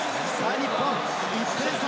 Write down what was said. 日本、１点差。